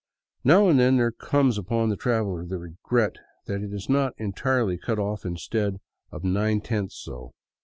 Now and then there comes upon the traveler the regret that it is not entirely cut off instead of nine tenths so.